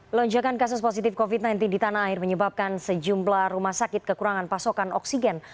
lonjakan kasus positif covid sembilan belas di tanah air menyebabkan sejumlah rumah sakit kekurangan pasokan oksigen